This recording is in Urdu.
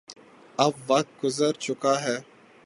اب وقت گزر چکا ہے۔